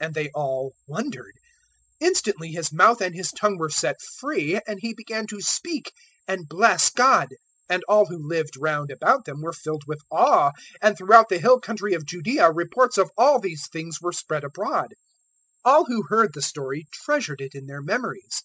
And they all wondered. 001:064 Instantly his mouth and his tongue were set free, and he began to speak and bless God. 001:065 And all who lived round about them were filled with awe, and throughout the hill country of Judaea reports of all these things were spread abroad. 001:066 All who heard the story treasured it in their memories.